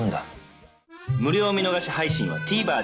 無料見逃し配信は ＴＶｅｒ で